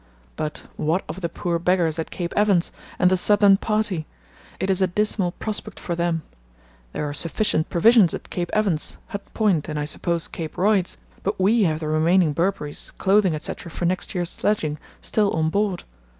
But what of the poor beggars at Cape Evans, and the Southern Party? It is a dismal prospect for them. There are sufficient provisions at Cape Evans, Hut Point, and, I suppose, Cape Royds, but we have the remaining Burberrys, clothing, etc., for next year's sledging still on board.